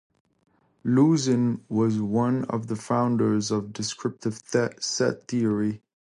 Luzin was one of the founders of descriptive set theory.